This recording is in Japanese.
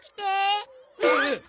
えっ！？